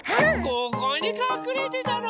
ここにかくれてたの！